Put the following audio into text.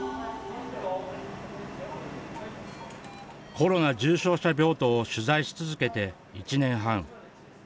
コロナ重傷者病棟を取材し続けて１年半。